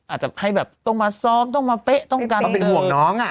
อาจจะให้แบบต้องมาซ้อมต้องมาเป๊ะต้องการเป็นห่วงน้อง